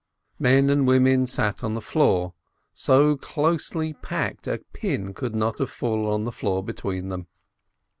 Men and women sat on the floor, so closely packed a pin could not have fallen to the floor between them.